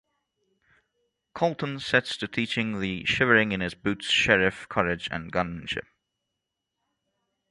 Colton sets to teaching the shivering in his boots sheriff courage and gunmanship.